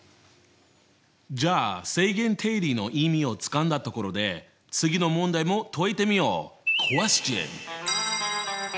じゃあ正弦定理の意味をつかんだところで次の問題も解いてみよう。